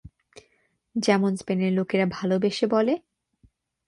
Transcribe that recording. যেমন স্পেনের লোকেরা ভালোবেসে বলে।